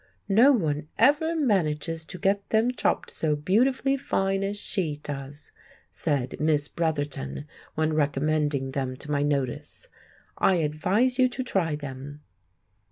"No one ever manages to get them chopped so beautifully fine as she does," said Miss Bretherton when recommending them to my notice. "I advise you to try them."